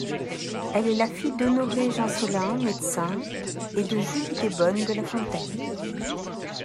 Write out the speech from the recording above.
Elle est la fille d'Honoré Gensollen, médecin et de Julie Desbonnes de La Fontaine.